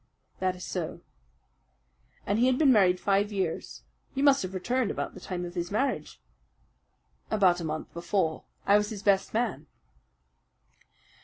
"That is so." "And he had been married five years. You must have returned about the time of his marriage." "About a month before. I was his best man."